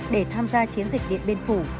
để tham gia chiến dịch điện biên phủ